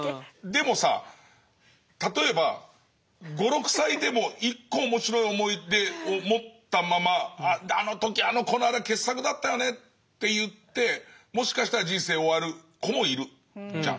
でもさ例えば５６歳でも１個面白い思い出を持ったままあの時あの子のあれは傑作だったよねって言ってもしかしたら人生終わる子もいるじゃん。